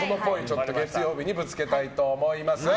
月曜日にぶつけたいと思います。